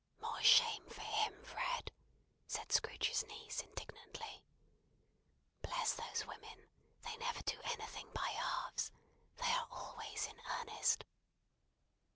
"More shame for him, Fred!" said Scrooge's niece, indignantly. Bless those women; they never do anything by halves. They are always in earnest.